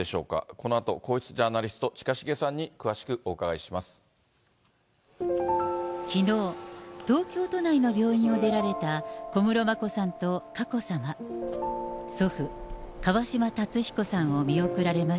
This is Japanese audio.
このあと、皇室ジャーナリスト、きのう、東京都内の病院を出られた小室眞子さんと佳子さま。